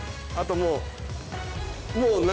あともう。